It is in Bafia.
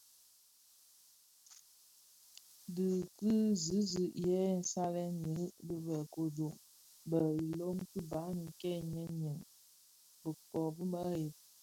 Dhi ki zizig yè salèn irig bi bë kodo bë ilom ki baňi kè nyèn nyèn (bighök dhi mereb).